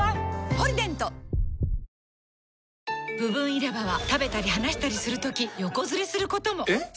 「ポリデント」部分入れ歯は食べたり話したりするとき横ずれすることも！えっ！？